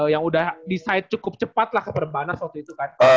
yang udah decide cukup cepat lah ke perbanas waktu itu kan